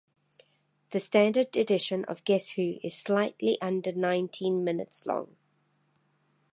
The standard edition of "Guess Who" is slightly under nineteen minutes long.